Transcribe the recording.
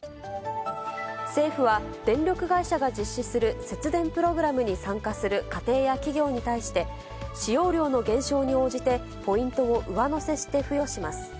政府は、電力会社が実施する節電プログラムに参加する家庭や企業に対して、使用量の減少に応じてポイントを上乗せして付与します。